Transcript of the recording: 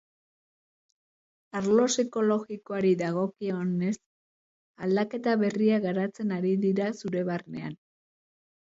Arlo psikologikoari dagokionez, aldaketa berriak garatzen ari dira zure barnean.